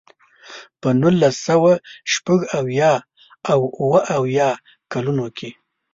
په نولس سوه شپږ اویا او اوه اویا کلونو کې.